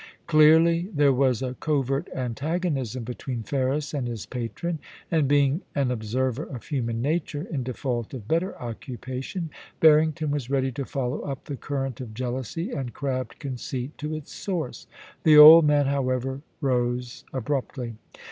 Clearly there was a covert antagonism be tween Ferris and his patron; and being an observer of human nature, in default of better occupation, Barrington was ready to follow up the current of jealousy and crabbed conceit to its source. The old man, however, rose abruptly.